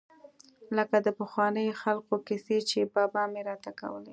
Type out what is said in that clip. لکه د پخوانو خلقو کيسې چې بابا مې راته کولې.